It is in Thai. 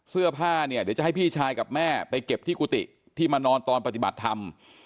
เสื้อผ้าเนี่ยเดี๋ยวจะให้พี่ชายกับแม่ไปเก็บที่กุฏิที่มานอนตอนปฏิบัติธรรม